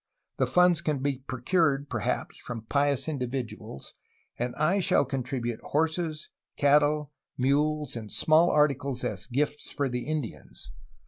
The funds can be procured, perhaps, from pious indi viduals, and I shall contribute horses, cattle, mules, and small articles as gifts for the Indians